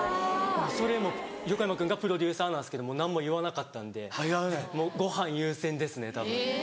それも横山君がプロデューサーなんですけど何も言わなかったんでご飯優先ですねたぶん。